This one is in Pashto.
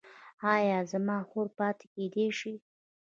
ایا زما خور پاتې کیدی شي؟